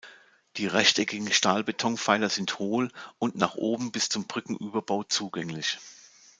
Die rechteckigen Stahlbetonpfeiler sind hohl und nach oben bis zum Brückenüberbau zugänglich.